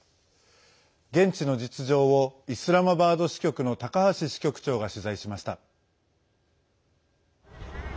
現地の実情をイスラマバード支局の高橋支局長が取材しました。